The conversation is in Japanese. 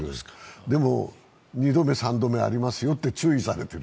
でも、２度目、３度目もありますよと注意されている。